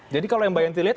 jadi kalau yang bayangin